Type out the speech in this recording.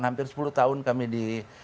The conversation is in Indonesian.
hampir sepuluh tahun kami di